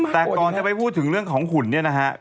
แต่ก่อนจะไปพูดถึงเรื่องของหุ่นเนี่ยนะฮะ